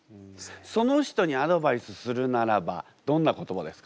その人にアドバイスするならばどんな言葉ですか？